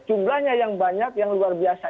jumlahnya yang banyak yang luar biasa